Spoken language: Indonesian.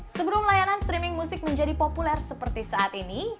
sebelum layanan streaming musik menjadi populer seperti saat ini